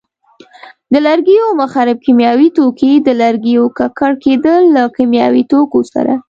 د لرګیو مخرب کیمیاوي توکي: د لرګیو ککړ کېدل له کیمیاوي توکو سره.